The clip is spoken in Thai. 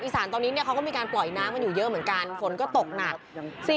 สานตอนนี้เขาก็มีการปล่อยน้ำกันอยู่เยอะเหมือนกันฝนก็ตกหนัก